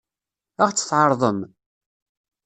Ad ɣ-tt-tɛeṛḍem?